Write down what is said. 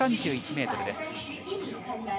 １３１ｍです。